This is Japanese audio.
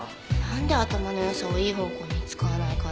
なんで頭の良さをいい方向に使わないかな。